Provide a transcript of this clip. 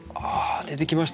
出てきました。